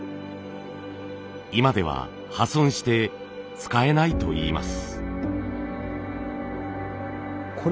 今では破損して使えないといいます。